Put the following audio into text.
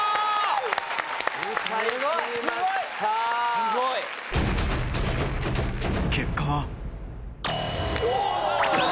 すごい。結果は？